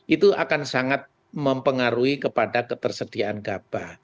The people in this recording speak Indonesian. itu akan sangat mempengaruhi kepada ketersediaan gabah